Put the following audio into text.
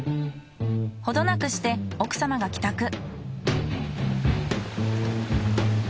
程なくして奥様が帰宅。